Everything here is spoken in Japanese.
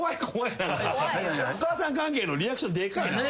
お母さん関係のリアクションでかいなあ。